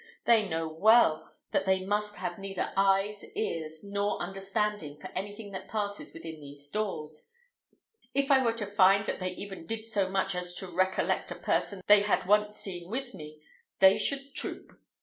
They know well that they must have neither eyes, ears, nor understanding for anything that passes within these doors. If I were to find that they even did so much as to recollect a person they had once seen with me, they should troop.